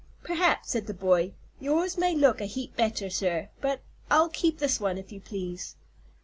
"Perhaps," said the boy. "Yours may look a heap better, sir, but I'll keep this one, if you please."